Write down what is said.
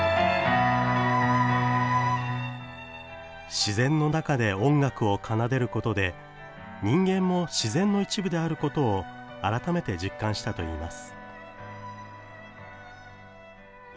自然の中で音楽を奏でることで人間も自然の一部であることを改めて実感したといいます。